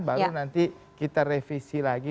baru nanti kita revisi lagi